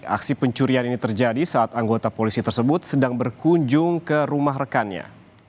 aksi pencurian ini terjadi saat anggota polisi tersebut sedang berkunjung ke rumah rekannya